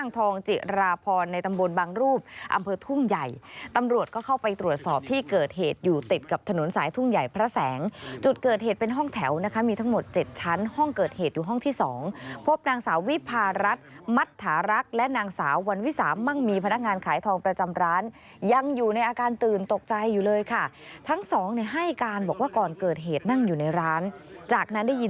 จิราพรในตำบลบางรูปอำเภอทุ่งใหญ่ตำรวจก็เข้าไปตรวจสอบที่เกิดเหตุอยู่ติดกับถนนสายทุ่งใหญ่พระแสงจุดเกิดเหตุเป็นห้องแถวนะคะมีทั้งหมด๗ชั้นห้องเกิดเหตุอยู่ห้องที่๒พบนางสาววิพารัฐมัตถารักษ์และนางสาววันวิสามั่งมีพนักงานขายทองประจำร้านยังอยู่ในอาการตื่นตกใจอยู่เลยค่ะทั้งสองเนี่ยให้การบอกว่าก่อนเกิดเหตุนั่งอยู่ในร้านจากนั้นได้ยิน